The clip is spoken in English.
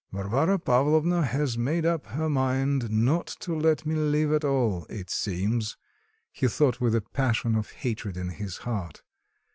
"Varvara Pavlovna has made up her mind not to let me live at all, it seems," he thought with a passion of hatred in his heart.